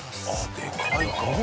でかいな。